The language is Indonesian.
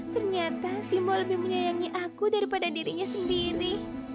ternyata si mbok lebih menyayangi aku daripada dirinya sendiri